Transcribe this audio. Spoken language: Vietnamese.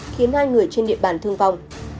khiến hai người trên địa bàn thương vong